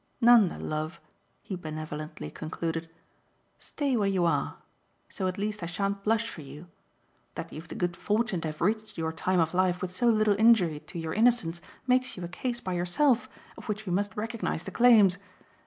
Nanda love," he benevolently concluded, "stay where you are. So at least I shan't blush for you. That you've the good fortune to have reached your time of life with so little injury to your innocence makes you a case by yourself, of which we must recognise the claims.